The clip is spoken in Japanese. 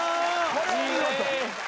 これお見事。